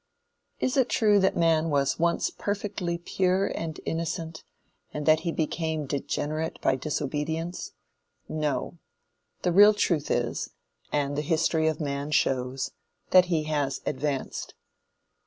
Is it true that man was once perfectly pure and innocent, and that he became degenerate by disobedience? No. The real truth is, and the history of man shows, that he has advanced.